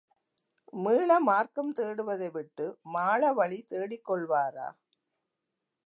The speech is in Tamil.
மீள மார்க்கம் தேடுவதைவிட்டு, மாள வழி தேடிக்கொள்வாரா?